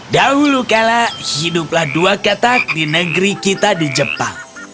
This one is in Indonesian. dahulu kala hiduplah dua katak di negeri kita di jepang